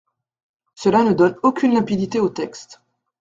Cela ne donne aucune limpidité au texte.